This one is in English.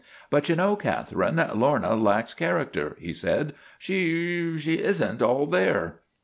" But you know, Catherine, Lorna lacks char acter," he said. " She she is n't all there."